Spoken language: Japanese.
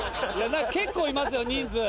結構いますよ人数。